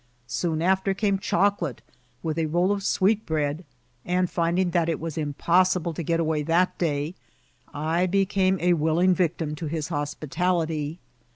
Soon after came choo^te, witii a roll of sweet bread ; and finding that it was impossible to get away that day, I became a willing victim to his hospitality.